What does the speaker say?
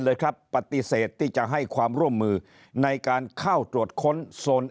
เลยครับปฏิเสธที่จะให้ความร่วมมือในการเข้าตรวจค้นโซน